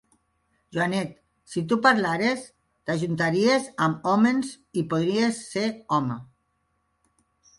Joanet, si tu parlares, t’ajuntaries amb hòmens i podries ser home.